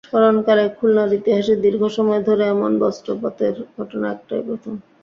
স্মরণকালে খুলনার ইতিহাসে দীর্ঘ সময় ধরে এমন বজ্রপাতের ঘটনা এটাই প্রথম।